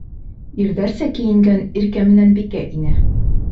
Ирҙәрсә кейенгән Иркә менән Бикә инә.